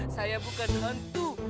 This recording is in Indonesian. saya bukan hantu